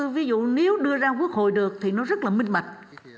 ví dụ nếu đưa ra quốc hội được thì nó rất là minh bạch